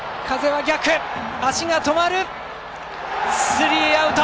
スリーアウト！